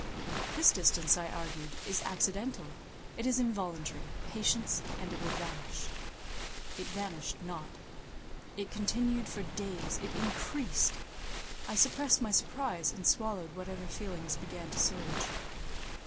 This distance, I argued, is accidental—it is involuntary; patience, and it will vanish. It vanished not; it continued for days; it increased. I suppressed my surprise, and swallowed whatever other feelings began to surge.